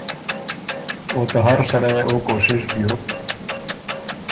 او ته هر سړئ يې او کوشش بیوک